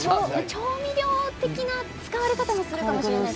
調味料的な使われ方もするかもしれません。